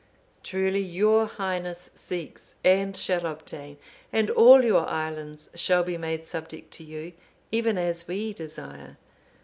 '(511) Truly your Highness seeks, and shall obtain, and all your islands shall be made subject to you, even as we desire.